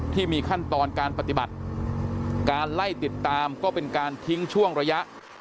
ที่มีขั้นตอนการปฏิบัติการไล่ติดตามก็เป็นการทิ้งช่วงระยะ